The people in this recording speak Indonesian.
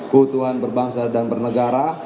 kebutuhan berbangsa dan bernegara